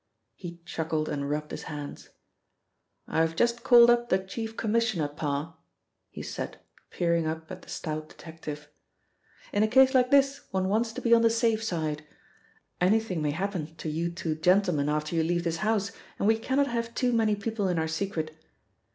He chuckled and rubbed his hands. "I have just called up the Chief Commissioner, Parr," he said, peering up at the stout detective. "In a case like this one wants to be on the safe side. Anything may happen to you two gentlemen after you leave this house, and we cannot have too many people in our secret.